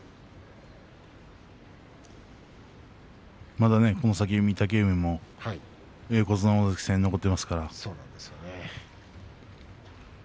まだこの先、御嶽海も横綱大関戦が残っていますから。